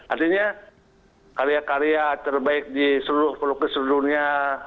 artinya karya karya terbaik di seluruh dunia